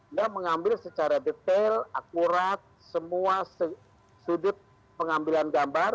anda mengambil secara detail akurat semua sudut pengambilan gambar